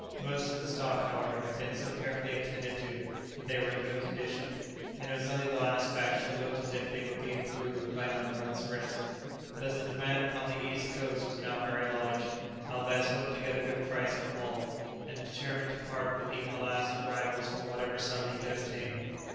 Most of the stock, however, had been so carefully attended to that they were in good condition, and it was only the last batch that looked as if they would be improved by another month's rest; but as the demand upon the East Coast was now very large, Alvez hoped to get a good price for all, and determined to part with even the last arrivals for whatever sum he could obtain.